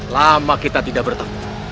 lama kita tidak bertemu